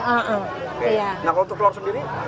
oke nah kalau untuk telur sendiri